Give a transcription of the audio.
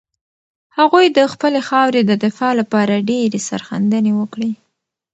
هغوی د خپلې خاورې د دفاع لپاره ډېرې سرښندنې وکړې.